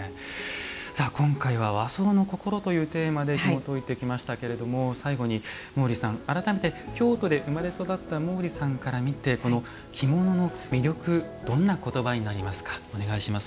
今回は「和装のこころ」というテーマでひもといてきましたが最後に、改めて京都で生まれ育った毛利さんから見て着物の魅力どんなことばになりますか？